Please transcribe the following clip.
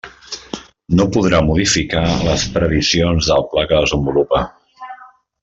No podrà modificar les previsions del pla que desenvolupa.